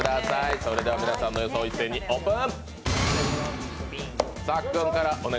それでは皆さんの予想一斉にオープン！